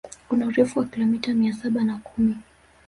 Kuna urefu wa kilomita mia saba na kumi